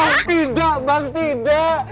bang tidak bang tidak